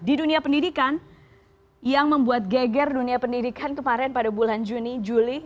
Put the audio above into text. di dunia pendidikan yang membuat geger dunia pendidikan kemarin pada bulan juni juli